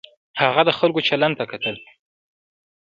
هغه د خلکو چلند ته کتل.